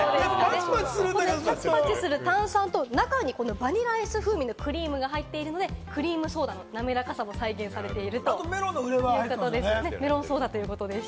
パチパチする炭酸と中にバニラアイス風味のクリームが入っているので、クリームソーダの滑らかさも再現されているということです。